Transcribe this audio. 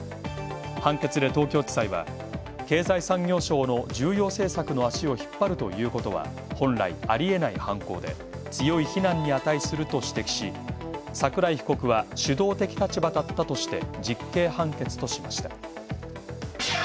判決で東京地裁は、経済産業省の重要政策の足を引っ張るということは本来あり得ない犯行で、強い非難に値すると指摘し、桜井被告は主導的立場だったとして実刑判決としました。